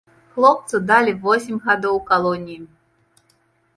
Хлопцу далі восем гадоў калоніі.